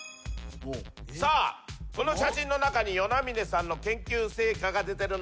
さあこの写真の中に與那嶺さんの研究成果が出てるの分かりますか？